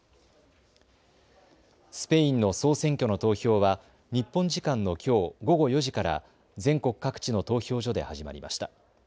スペインの総選挙の投票は日本時間のきょう午後４時から全国各地の投票所で始まりました。